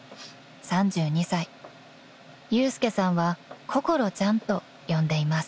［祐介さんは「心ちゃん」と呼んでいます］